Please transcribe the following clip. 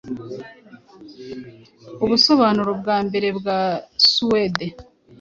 Ubusobanuro bwa mbere bwa Suwede